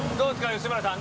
吉村さん。